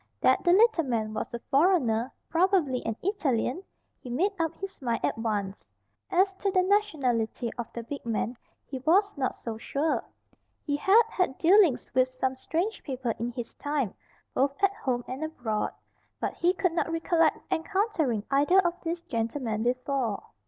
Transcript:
That the little man was a foreigner, probably an Italian, he made up his mind at once. As to the nationality of the big man he was not so sure. He had had dealings with some strange people in his time, both at home and abroad. But he could not recollect encountering either of these gentlemen before.